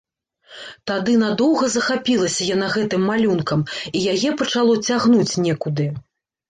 Тады надоўга захапілася яна гэтым малюнкам, і яе пачало цягнуць некуды.